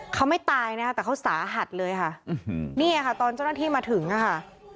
เขาไม่ตายนะคะแต่เขาสาหัสเลยค่ะเนี่ยค่ะตอนเจ้าหน้าที่มาถึงค่ะ